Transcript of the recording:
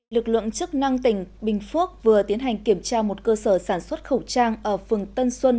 lực lượng chức năng tỉnh bình phước vừa tiến hành kiểm tra một cơ sở sản xuất khẩu trang ở phường tân xuân